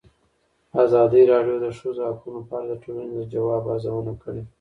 ازادي راډیو د د ښځو حقونه په اړه د ټولنې د ځواب ارزونه کړې.